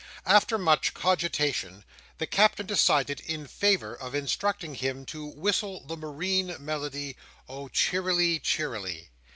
After much cogitation, the Captain decided in favour of instructing him to whistle the marine melody, "Oh cheerily, cheerily!"